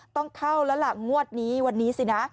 ต้องเข้าแล้วล่ะงวดนี้วันนี้สินะ